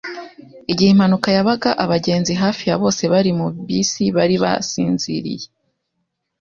Igihe impanuka yabaga, abagenzi hafi ya bose bari muri bisi bari basinziriye.